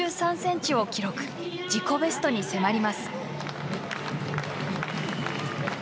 自己ベストに迫ります。